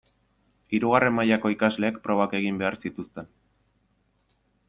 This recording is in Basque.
Hirugarren mailako ikasleek probak egin behar zituzten.